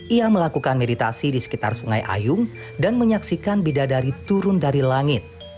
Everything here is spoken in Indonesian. ia melakukan meditasi di sekitar sungai ayung dan menyaksikan bidadari turun dari langit